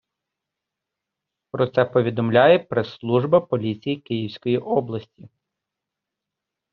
Про це повідомляє прес-служба поліції Київської області.